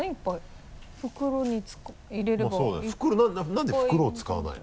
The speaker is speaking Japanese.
なんで袋を使わないの？